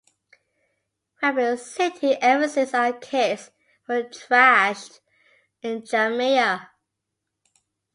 We had been sitting ever since our kids were thrashed in Jamia.